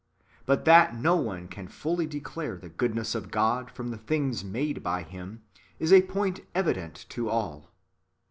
But that no one can fully declare the good ness of God from the things made by Him, is a point evident to all.